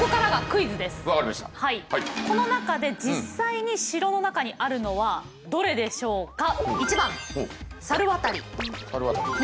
この中で実際に城の中にあるのはどれでしょうか。